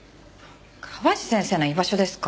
河内先生の居場所ですか？